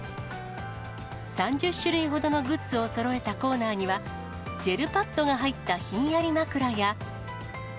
３０種類ほどのグッズをそろえたコーナーには、ジェルパッドが入ったひんやり枕や。